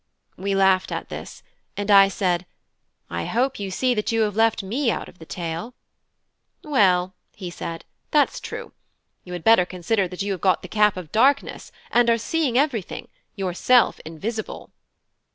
We laughed at this; and I said, "I hope you see that you have left me out of the tale." "Well," said he, "that's true. You had better consider that you have got the cap of darkness, and are seeing everything, yourself invisible."